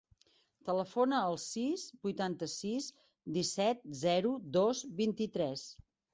Telefona al sis, vuitanta-sis, disset, zero, dos, vint-i-tres.